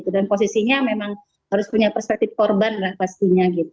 dan posisinya memang harus punya perspektif korban pastinya